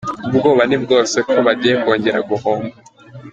Ubwoba ni bwose ko bagiye kongera guhomba.